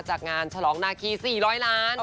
จากงานฉลองนาคี๔๐๐ล้าน